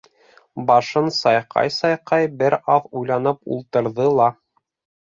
Башын сайҡай-сайҡай бер аҙ уйланып ултырҙы ла: